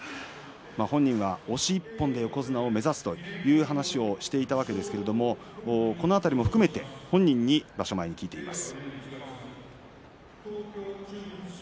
本人は押し１本で横綱を目指すという話をしていたわけですがこの辺りも含めて本人に場所前に聞いています。